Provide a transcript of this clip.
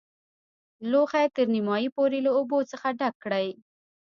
لوښی تر نیمايي پورې له اوبو څخه ډک کړئ.